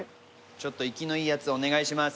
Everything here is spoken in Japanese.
ちょっと生きのいいやつお願いします。